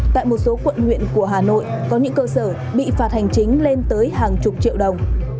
tại một số quận nguyện của hà nội có những cơ sở bị phạt hành chính lên tới hàng chục triệu đồng